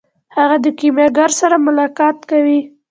هغه د کیمیاګر سره ملاقات کوي.